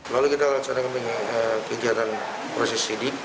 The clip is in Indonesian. lalu kita lancarkan kejadian proses sidik